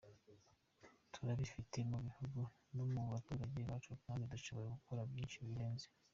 Turabifite mu bihugu no mu baturage bacu kandi dushobora gukora byinshi birenze.